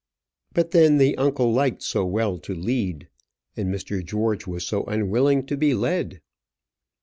But then the uncle liked so well to lead, and Mr. George was so unwilling to be led!